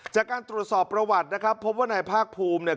จากการตรวจสอบประวัตินะครับพบว่านายภาคภูมิเนี่ย